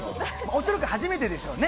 恐らく初めてでしょうね。